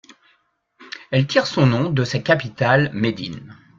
Elle tire son nom de sa capitale Médine.